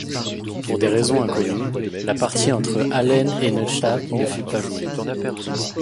Pour des raisons inconnues, la partie entre Aalen et Neustadt ne fut pas jouée.